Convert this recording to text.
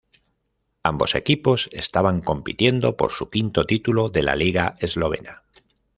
Ambos equipos estaban compitiendo por su quinto título de la Liga eslovena.